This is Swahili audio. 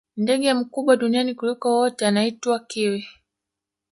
ndege mkubwa duniani kuliko wote anaitwa kiwi